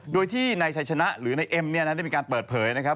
โดยที่นายชัยชนะหรือนายเอ็มเนี่ยนะได้มีการเปิดเผยนะครับ